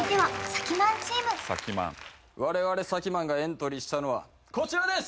我々さきＭａｎがエントリーしたのはこちらです！